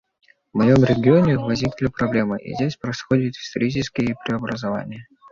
В моем регионе возникли проблемы, и здесь происходят исторические преобразования.